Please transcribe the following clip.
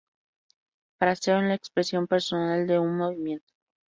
Fraseo es la expresión personal de un movimiento.